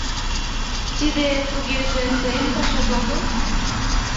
Тиде, тугеже, тыйын пашат огыл?